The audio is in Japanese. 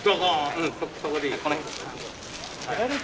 うんそこでいい。